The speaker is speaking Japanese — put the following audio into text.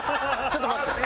ちょっと待って。